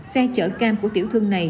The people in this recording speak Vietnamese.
xe chở cam của tiểu thương này